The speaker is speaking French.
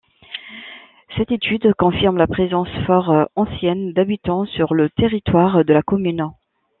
Cette étude confirme la présence fort ancienne d'habitants sur le territoire de la commune.